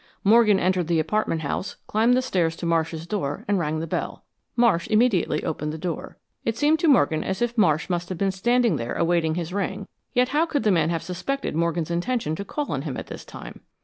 Morgan entered the apartment house, climbed the stairs to Marsh's door, and rang the bell. Marsh immediately opened the door. It seemed to Morgan as if Marsh must have been standing there awaiting his ring, yet how could the man have suspected Morgan's intention to call on him at this time?